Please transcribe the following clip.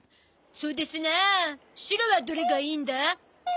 そうですなあシロはどれがいいんだ？